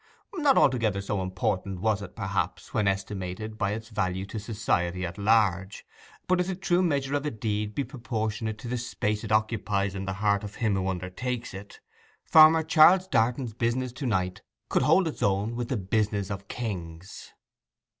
Not altogether so important was it, perhaps, when estimated by its value to society at large; but if the true measure of a deed be proportionate to the space it occupies in the heart of him who undertakes it, Farmer Charles Darton's business to night could hold its own with the business of kings.